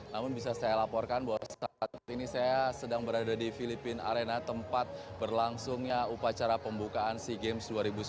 namun bisa saya laporkan bahwa saat ini saya sedang berada di filipina arena tempat berlangsungnya upacara pembukaan sea games dua ribu sembilan belas